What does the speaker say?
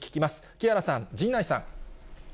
木原さん、陣内さん。